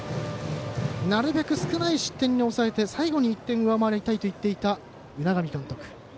なるべく少ない失点に抑えて最後に１点上回りたいと言っていた海上監督。